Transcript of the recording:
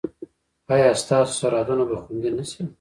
ایا ستاسو سرحدونه به خوندي نه شي؟